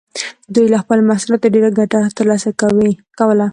دوی له خپلو محصولاتو ډېره ګټه ترلاسه کوله.